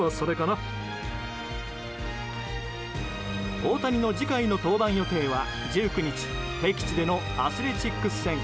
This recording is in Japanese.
大谷の次回の登板予定は１９日、敵地でのアスレチックス戦。